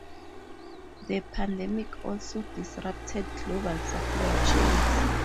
The pandemic also disrupted global supply chains.